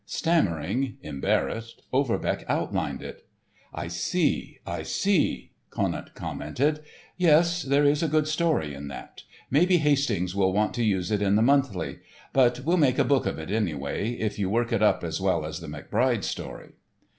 Stammering, embarrassed, Overbeck outlined it. "I see, I see!" Conant commented. "Yes, there is a good story in that. Maybe Hastings will want to use it in the monthly. But we'll make a book of it, anyway, if you work it up as well as the McBride story."